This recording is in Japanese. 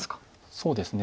そうですね。